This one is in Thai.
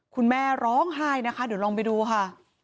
คุณแม่ร้องไห้นะคะเดี๋ยวลองไปดูค่ะ